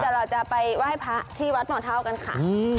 เดี๋ยวเราจะไปไหว้พระที่วัดหมอเท่ากันค่ะ